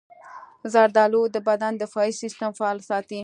زردالو د بدن دفاعي سستم فعال ساتي.